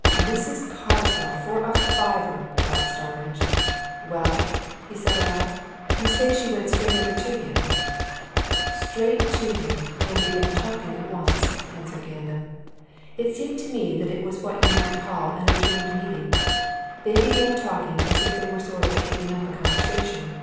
"Mrs. Carswell, for a fiver!" thought Starmidge. "Well?" he said aloud. "You say she went straight over to him?" "Straight to him and began talking at once," answered Gandam. "It seemed to me that it was what you might call an adjourned meeting they began talking as if they were sort of taking up a conversation.